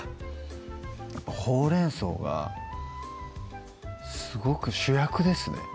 ほうれん草がすごく主役ですね